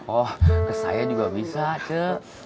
oh ke saya juga bisa cek